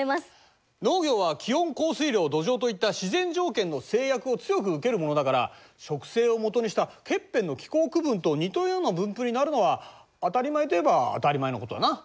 農業は気温降水量土壌といった自然条件の制約を強く受けるものだから植生を基にしたケッペンの気候区分と似たような分布になるのは当たり前といえば当たり前のことだな。